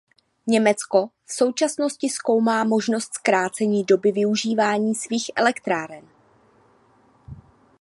Německo v současnosti zkoumá možnost zkrácení doby využívání svých elektráren.